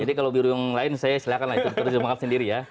jadi kalau biru yang lain saya silahkan lah itu terjemahkan sendiri ya